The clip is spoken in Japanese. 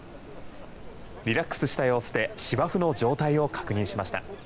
リラックスした様子で芝生の状態を確認しました。